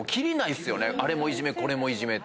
あれもいじめこれもいじめ。